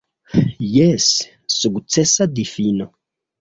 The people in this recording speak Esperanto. Jes, sukcesa difino.